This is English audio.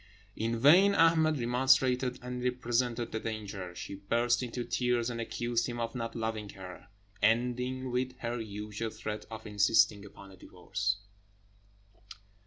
In vain Ahmed remonstrated and represented the danger; she burst into tears, and accused him of not loving her, ending with her usual threat of insisting upon a divorce.